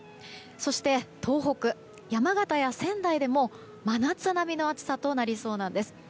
そして東北、山形や仙台でも真夏並みの暑さとなりそうです。